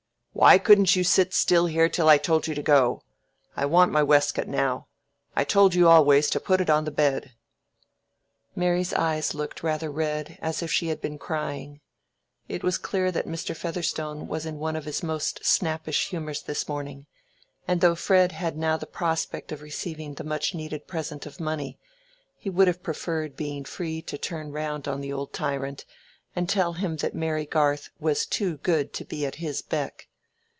"Why couldn't you sit still here till I told you to go? I want my waistcoat now. I told you always to put it on the bed." Mary's eyes looked rather red, as if she had been crying. It was clear that Mr. Featherstone was in one of his most snappish humors this morning, and though Fred had now the prospect of receiving the much needed present of money, he would have preferred being free to turn round on the old tyrant and tell him that Mary Garth was too good to be at his beck.